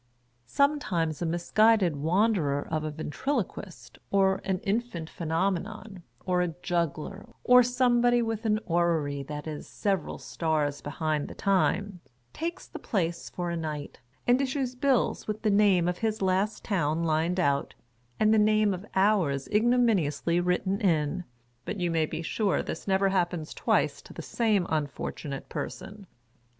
Sometimes, a misguided wanderer of a Ventriloquist, or an Infant Phenomenon, or a Juggler, or some body with an Orrery that is several stars behind the time, takes the place for a night, and issues bills with the name of his last town lined out, and the name of ours ignomiuiously written in, but you may be sure this never happens twice to the same unfortunate person.